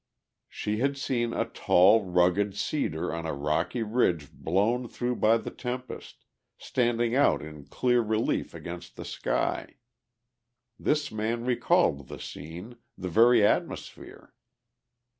She had seen a tall, rugged cedar on a rocky ridge blown through by the tempest, standing out in clear relief against the sky; this man recalled the scene, the very atmosphere.